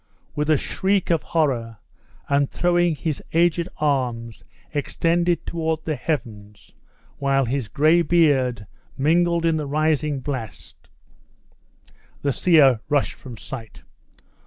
With a shriek of horror, and throwing his aged arms extended toward the heavens, while his gray beard mingled in the rising blast, the seer rushed from sight.